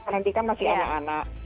karena nanti kan masih anak anak